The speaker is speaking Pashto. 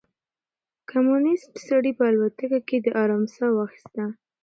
کمونيسټ سړي په الوتکه کې د ارام ساه واخيسته.